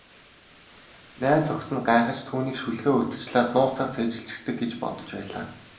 Найз охид нь гайхаж, түүнийг шүлгээ урьдчилаад нууцаар цээжилчихдэг гэж бодож байлаа.